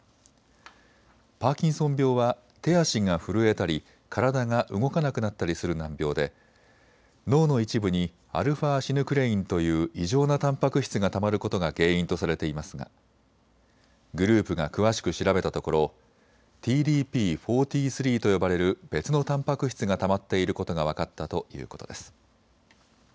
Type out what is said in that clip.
パーキンソン病は手足が震えたり体が動かなくなったりする難病で脳の一部にαシヌクレインという異常なたんぱく質がたまることが原因とされていますがグループが詳しく調べたところＴＤＰー４３と呼ばれる別のたんぱく質がたまっていることが分かったということです。